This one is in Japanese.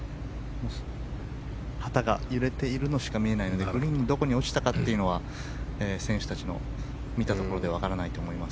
旗が揺れているのしか見えないのでグリーンのどこに落ちたかというのは選手たちの見たところでは分からないと思います。